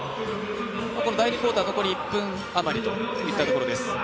第２クオーター残り１分あまりといったところです